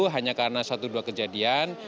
hanya karena satu dua kejadian